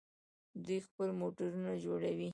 دوی خپل موټرونه جوړوي.